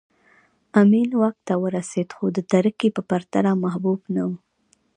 امین واک ته ورسېد خو د ترکي په پرتله محبوب نه و